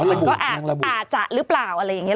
มันก็อาจจะหรือเปล่าอะไรอย่างนี้